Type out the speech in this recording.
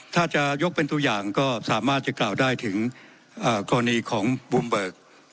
ถ้าจะยกเป็นตัวอย่างก็สามารถจะกล่าวได้ถึงกรณีของบูมเบิก